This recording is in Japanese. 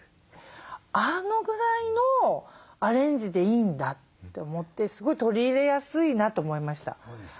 あのぐらいのアレンジでいいんだって思ってすごい取り入れやすいなと思いました。